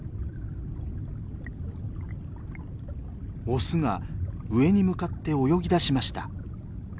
オスが上に向かって泳ぎだしました。